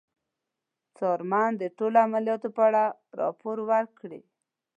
څارمن د ټولو عملیاتو په اړه راپور ورکوي.